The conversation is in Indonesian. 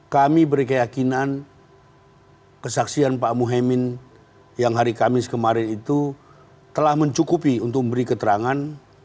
kami beri keyakinan kesaksian pak muhyemin yang hari kamis kemarin itu telah mencukupi untuk memberi keterangan